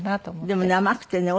でも甘くてね